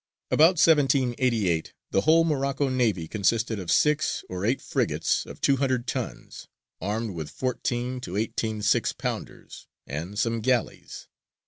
About 1788 the whole Morocco navy consisted of six or eight frigates of two hundred tons, armed with fourteen to eighteen six pounders, and some galleys.